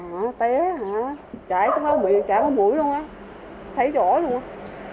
à té hả chạy có mũi chạy có mũi luôn á thấy rổ luôn á